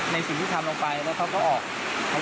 ในสิ่งที่ทำลงไปแล้วเขาก็ออก